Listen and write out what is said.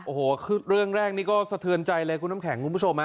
โอ้โหเรื่องแรกนี่ก็สะเทือนใจเลยคุณน้ำแข็งคุณผู้ชมฮะ